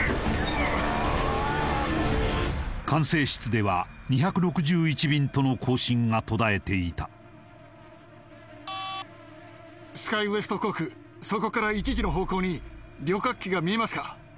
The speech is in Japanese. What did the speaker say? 管制室では２６１便との交信が途絶えていたスカイウエスト航空そこから１時の方向に旅客機が見えますか？